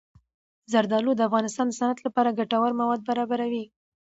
زردالو د افغانستان د صنعت لپاره ګټور مواد برابروي.